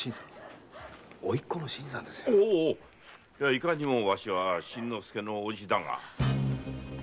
いかにもわしは新之助の伯父だが？